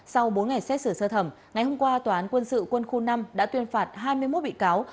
sau bốn ngày xét xử sơ thẩm ngày hôm qua tòa án quân sự quân khu năm đã tuyên phạt hai mươi một bị cáo